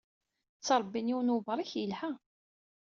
Ttṛebbin yiwen webṛik yelha.